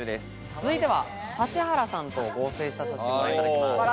続いては指原さんと合成した写真を見ていただきます。